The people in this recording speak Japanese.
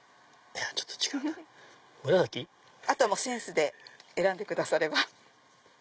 センスで選んでくだされば。